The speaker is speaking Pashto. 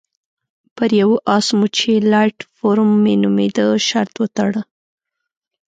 پر یوه اس مو چې لایټ فور مي نومېده شرط وتاړه.